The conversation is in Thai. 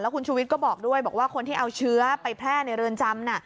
คุณชูวิทย์ก็บอกด้วยบอกว่าคนที่เอาเชื้อไปแพร่ในเรือนจำน่ะ